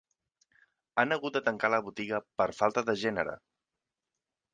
Han hagut de tancar la botiga per falta de gènere.